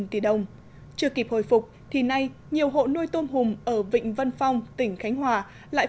triệu chưa kịp hồi phục thì nay nhiều hộ nuôi tôm hùm ở vịnh vân phong tỉnh khánh hòa lại